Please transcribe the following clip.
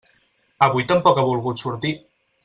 Avui tampoc ha volgut sortir.